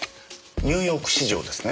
ニューヨーク市場ですね。